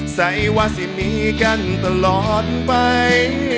ใส่ว่าสิมีกันตลอดไป